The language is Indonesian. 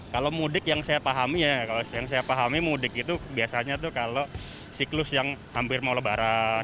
kalau mudik yang saya pahami ya kalau yang saya pahami mudik itu biasanya tuh kalau siklus yang hampir mau lebaran